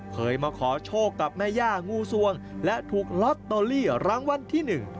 เคยมาขอโชคกับแม่ย่างูสวงและถูกลอตเตอรี่รางวัลที่หนึ่ง